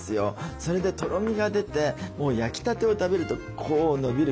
それでとろみが出て焼きたてを食べるとこう伸びる感じ。